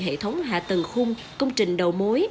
hệ thống hạ tầng khung công trình đầu mối